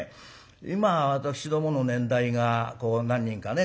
今私どもの年代がこう何人かね